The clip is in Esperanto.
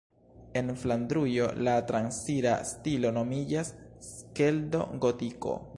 En Flandrujo la transira stilo nomiĝas Skeldo-Gotiko.